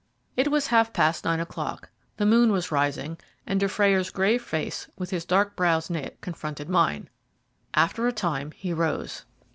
It was half past nine o'clock, the moon was rising, and Dufrayer's grave face, with his dark brows knit, confronted mine. After a time he rose.